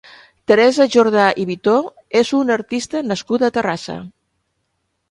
Teresa Jordà i Vitó és una artista nascuda a Terrassa.